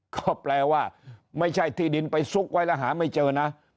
ก็แปลว่าไม่ใช่ที่ดินไปซุกไว้แล้วหาไม่เจอนะ